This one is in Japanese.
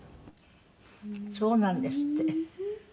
そうなんですって。